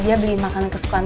dia yang punya juga